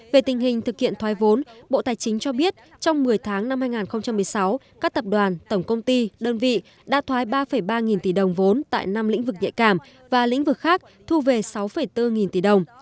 về tình hình thực hiện thoái vốn bộ tài chính cho biết trong một mươi tháng năm hai nghìn một mươi sáu các tập đoàn tổng công ty đơn vị đã thoái ba ba nghìn tỷ đồng vốn tại năm lĩnh vực nhạy cảm và lĩnh vực khác thu về sáu bốn nghìn tỷ đồng